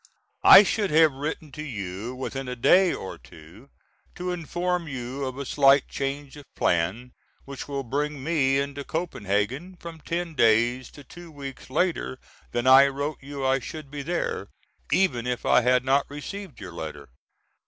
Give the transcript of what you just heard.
I should have written to you within a day or two to inform you of a slight change of plan, which will bring me into Copenhagen from ten days to two weeks later than I wrote you I should be there, even if I had not received your letter.